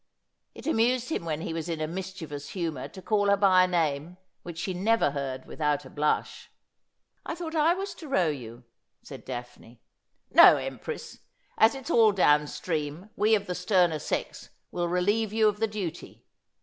It amused him when he was in a mischievous humour to call her by a name which she never heard without a blush. ' I thought I was to row you,' said Daphne. ' No, Empress ; as it's all down stream we of the sterner sex will relieve you of the duty.